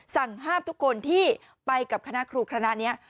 สั่งห้ามทุกคนที่ไปกับคณะครูคณะนี้